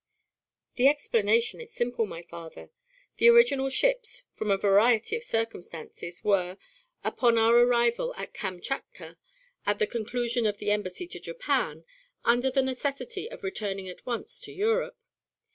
"The explanation is simple, my father. The original ships, from a variety of circumstances, were, upon our arrival at Kamchatka, at the conclusion of the embassy to Japan, under the necessity of returning at once to Europe.